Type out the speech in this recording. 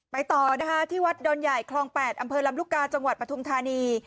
ต่อนะคะที่วัดดอนใหญ่คลอง๘อำเภอลำลูกกาจังหวัดปฐุมธานี